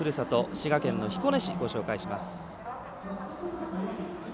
滋賀県の彦根市をご紹介します。